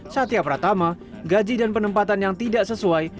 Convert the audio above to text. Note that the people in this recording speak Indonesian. satya pratama gaji dan penempatan yang tidak sesuai